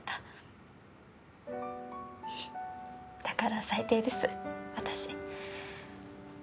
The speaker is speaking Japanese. だから最低です私。